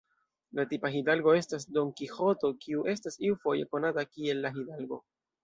La tipa hidalgo estas Don Kiĥoto, kiu estas iufoje konata kiel "La Hidalgo".